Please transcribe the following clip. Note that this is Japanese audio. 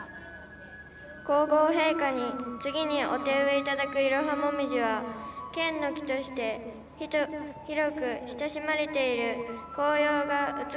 皇后陛下に次にお手植えいただくイロハモミジは県の木として広く親しまれている紅葉が美しい樹種です。